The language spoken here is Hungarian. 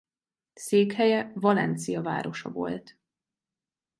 Székhelye Valencia városa volt.